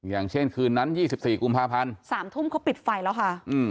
อย่างเช่นคืนนั้น๒๔กุมภาพันธ์๓ทุ่มเขาปิดไฟแล้วค่ะ